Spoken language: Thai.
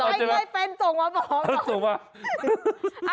ไอ้เงยเป็นส่งมาบอก